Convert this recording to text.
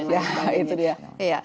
ya itu dia